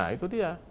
nah itu dia